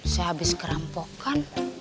saya abis kerampokan